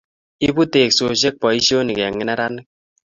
Ibu teksosiek boisionik eng neranik